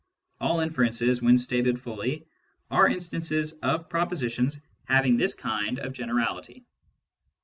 All inferences, when stated fully, are instances of propositions having this kind of generality.